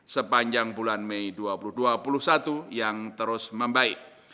sepanjang bulan mei dua ribu dua puluh satu yang terus membaik